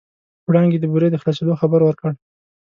وړانګې د بورې د خلاصېدو خبر ورکړ.